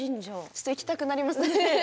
ちょっと行きたくなりますね。